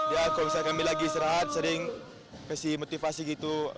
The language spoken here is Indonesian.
ya kalau misalnya kami lagi istirahat sering kasih motivasi gitu